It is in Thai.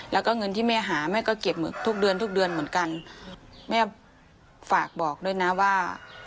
แล้วก็เงินที่แม่หาแม่ก็เก็บหมึกทุกเดือนทุกเดือนเหมือนกันแม่ฝากบอกด้วยนะว่า